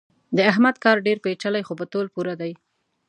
د احمد کار ډېر پېچلی خو په تول پوره دی.